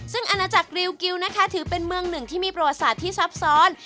ซึ่งอาณาจักรริวกิวนะคะถือเป็นเมืองหนึ่งที่มีประวัติศาสตร์ที่ซับซ้อน